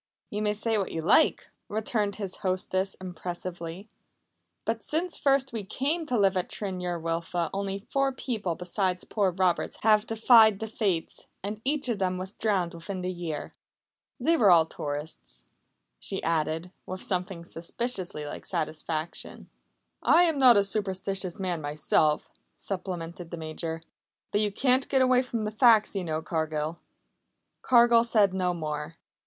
"You may say what you like," returned his hostess impressively, "but since first we came to live at Tryn yr Wylfa only four people besides poor Roberts have defied the Fates, and each of them was drowned within the year. "They were all tourists," she added with something suspiciously like satisfaction. "I am not a superstitious man myself," supplemented the Major. "But you can't get away from the facts, you know, Cargill." Cargill said no more.